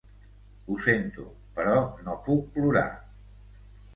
Ho sento, però no puc plorar.